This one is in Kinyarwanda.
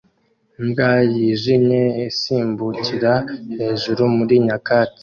Imbwa yijimye isimbukira hejuru muri nyakatsi